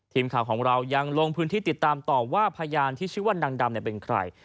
ทีมข่าวของเรายังลงพื้นที่ติดตามต่อว่าพยานที่ชื่อว่านางดำเป็นใคร